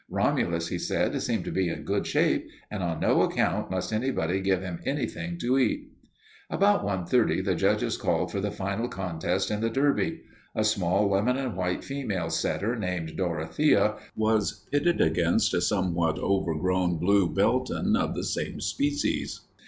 Romulus, he said, seemed to be in good shape, and on no account must anybody give him anything to eat. About 1:30 the judges called for the final contest in the Derby. A small lemon and white female setter named Dorothea was pitted against a somewhat overgrown blue belton of the same species.